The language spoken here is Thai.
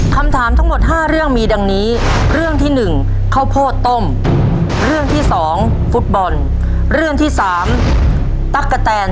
คำถามของบ้านก็คำถามทั้งหมด๕เรื่องก็ได้เลยครับ